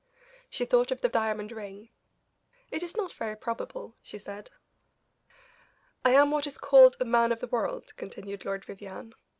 She thought of the diamond ring. "It is not very probable," she said. "I am what is called a man of the world," continued Lord Vivianne.